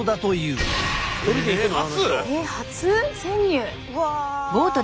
うわ。